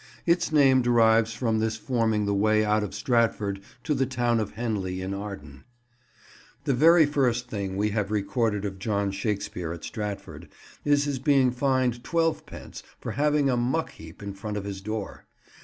Its name derives from this forming the way out of Stratford to the town of Henley in Arden. The very first thing we have recorded of John Shakespeare at Stratford is his being fined twelve pence for having a muck heap in front of his door.